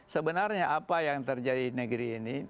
sebenarnya apa yang terjadi di negeri ini